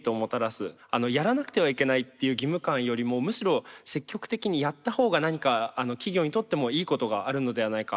やらなくてはいけないっていう義務感よりもむしろ積極的にやった方が何か企業にとってもいいことがあるのではないか。